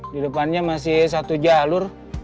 di depannya masih satu jalur